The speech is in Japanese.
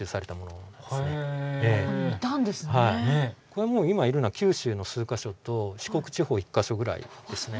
これもう今いるのは九州の数か所と四国地方１か所ぐらいですね。